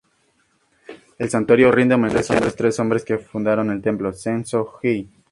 El santuario rinde homenaje a los tres hombres que fundaron el templo Sensō-ji.